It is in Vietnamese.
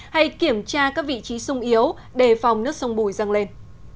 hay kiểm tra các vị trí sung yếu đề phòng nước sông bùi răng lên